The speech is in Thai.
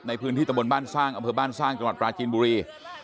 ในพื้นที่ตะบนบ้านสร้างอำเภอบ้านสร้างจังหวัดปราจีนบุรี